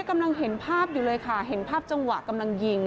กำลังเห็นภาพอยู่เลยค่ะเห็นภาพจังหวะกำลังยิง